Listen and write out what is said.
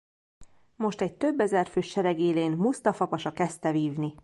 Most egy több ezer fős sereg élén Musztafa pasa kezdte vívni.